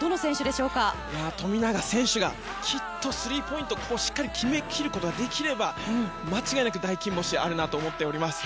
富永選手がスリーポイントしっかり決め切ることができれば大金星、あるなと思っております。